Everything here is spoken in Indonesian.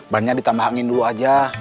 bannya ditambah angin dulu aja